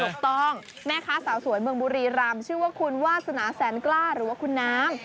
ถูกต้องแม่ค้าสาวสวยเมืองบุรีรำชื่อว่าคุณวาสนาแสนกล้าหรือว่าคุณน้ำ